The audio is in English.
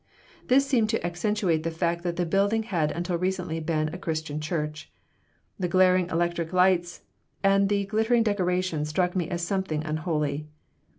This seemed to accentuate the fact that the building had until recently been a Christian church. The glaring electric lights and the glittering decorations struck me as something unholy.